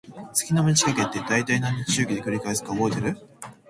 月の満ち欠けって、だいたい何日周期で繰り返すか覚えてる？